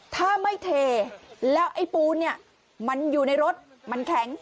ถ้าไม่เทแล้วไอ้ปูนเนี่ยมันอยู่ในรถมันแข็ง